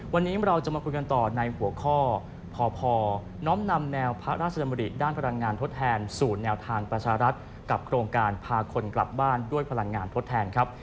วันนี้เราจะมาคุยกันต่อในหัวข้อพอน้อมนำแนวพระราชดำริด้านพลังงานทดแทนสู่แนวทางประชารัฐกับโครงการพาคนกลับบ้านด้วยพลังงานทดแทนครับ